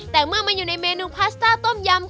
แต่เมื่อมาอยู่ในเมนูพาสต้าต้มยำ